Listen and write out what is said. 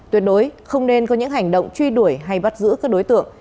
tuyệt đối không nên có những hành động truy đuổi hay bắt giữ các đối tượng